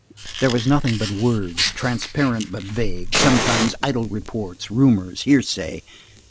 _ There was nothing but words, transparent but vague; sometimes idle reports, rumors, hearsay.